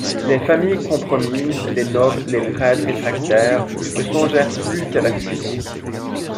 Les familles compromises, les nobles, les prêtres réfractaires, ne songèrent plus qu'à la fuite.